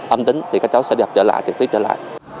âm tính thì các cháu sẽ đi học trở lại trực tiếp trở lại